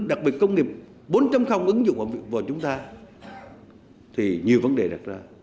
đặc biệt công nghiệp bốn ứng dụng vào chúng ta thì nhiều vấn đề đặt ra